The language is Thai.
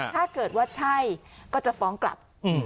ถ้าเกิดว่าใช่ก็จะฟ้องกลับ